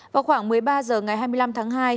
vào khoảng một mươi ba h ngày hai mươi năm tháng hai